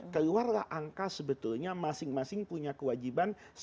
keluarlah angka sebetulnya masing masing punya kewajiban